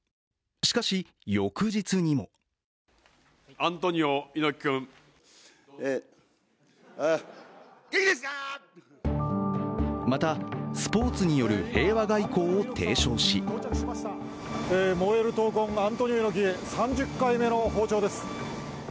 しかし、翌日にもまた、スポーツによる平和外交を提唱し燃える闘魂・アントニオ猪木、３０回目の訪朝です。